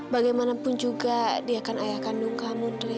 bagaimanapun juga dia akan ayah kandung kamu drei